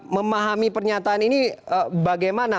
memahami pernyataan ini bagaimana